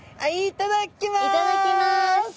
いただきます！